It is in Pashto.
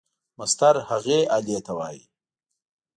مسطر هغې آلې ته وایي.